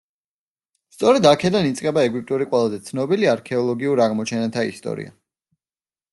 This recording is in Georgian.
სწორედ აქედან იწყება ეგვიპტური ყველაზე ცნობილი არქეოლოგიურ აღმოჩენათა ისტორია.